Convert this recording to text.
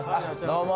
どうも。